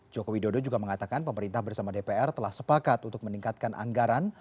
joko widodo juga mengatakan pemerintah bersama dpr telah sepakat untuk meningkatkan anggaran